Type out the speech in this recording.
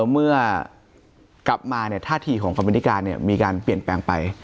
เมื่อกลับมาเนี่ยท่าที่ของกรรมนิการเนี่ยมีการเปลี่ยนแปลงไป